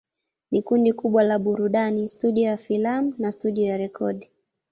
Ni kundi kubwa la burudani, studio ya filamu na studio ya rekodi.